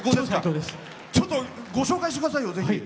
ちょっとご紹介してくださいよ。